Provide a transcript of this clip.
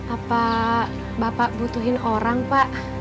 apa bapak butuhin orang pak